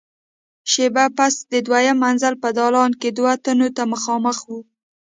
شېبه پس د دويم منزل په دالان کې دوو تنو ته مخامخ وو.